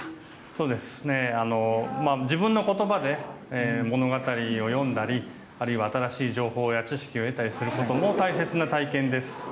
そうですね、自分のことばで物語を読んだり、あるいは新しい情報や知識を得たりすることも大切な体験です。